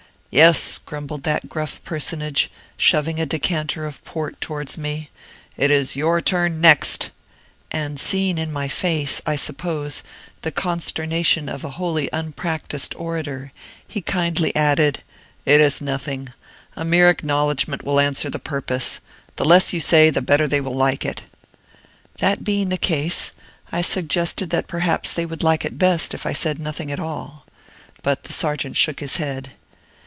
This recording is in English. "Yes," grumbled that gruff personage, shoving a decanter of Port towards me, "it is your turn next"; and seeing in my face, I suppose, the consternation of a wholly unpractised orator, he kindly added, "It is nothing. A mere acknowledgment will answer the purpose. The less you say, the better they will like it." That being the case, I suggested that perhaps they would like it best if I said nothing at all. But the Sergeant shook his head.